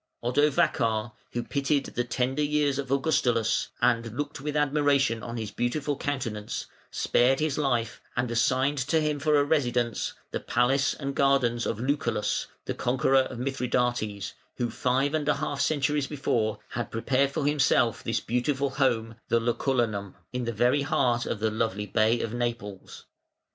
Odovacar, who pitied the tender years of Augustulus, and looked with admiration on his beautiful countenance, spared his life and assigned to him for a residence the palace and gardens of Lucullus, the conqueror of Mithridates, who five and a half centuries before had prepared for himself this beautiful home (the Lucullanum) in the very heart of the lovely Bay of Naples.